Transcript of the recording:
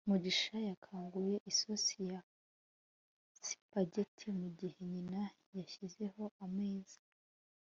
mugisha yakanguye isosi ya spaghetti mugihe nyina yashyizeho ameza